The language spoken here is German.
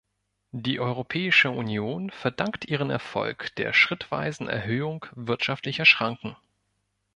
Die Europäische Union verdankt ihren Erfolg der schrittweisen Erhöhung wirtschaftlicher Schranken.